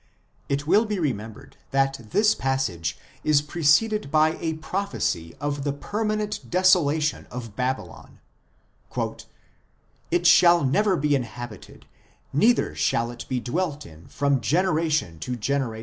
It will be remembered that this passage is preceded by a prophecy of the permanent desolation of Babylon : "It shall never be inhabited, neither shall it be dwelt in from generation to generation ; 1 Cp.